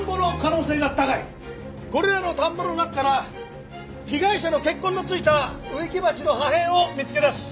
これらの田んぼの中から被害者の血痕の付いた植木鉢の破片を見つけ出す。